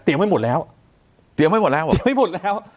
เตรียมไว้หมดแล้วเตรียมไว้หมดแล้วเตรียมไว้หมดแล้ว